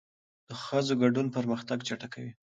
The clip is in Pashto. د ښځو ګډون پرمختګ چټکوي.